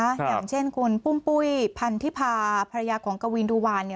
อย่างเช่นคุณปุ้มปุ้ยพันธิพาภรรยาของกวินดูวาน